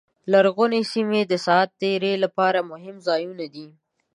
لرغونې سیمې د ساعت تېرۍ لپاره مهم ځایونه دي.